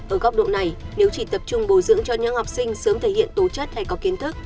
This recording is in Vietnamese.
ở góc độ này nếu chỉ tập trung bồi dưỡng cho những học sinh sớm thể hiện tố chất hay có kiến thức